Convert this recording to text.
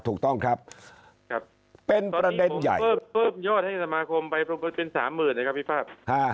ถูกต้องครับครับเป็นประเด็นใหญ่เพิ่มยอดให้สมาคมไปเป็นสามหมื่นนะครับพี่ภาค